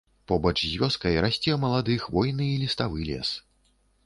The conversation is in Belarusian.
Побач з вёскай расце малады хвойны і ліставы лес.